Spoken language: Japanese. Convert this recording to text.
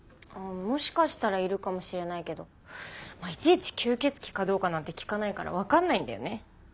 もしかしたらいるかもしれないけどいちいち吸血鬼かどうかなんて聞かないからわかんないんだよね。